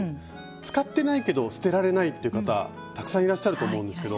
使ってないけど捨てられないっていう方たくさんいらっしゃると思うんですけど。